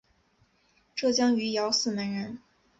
浙江余姚泗门人。